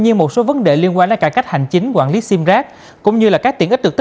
nhưng mà vấn đề là quản lý về số thê bào di động